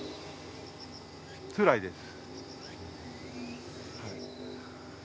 つらいです。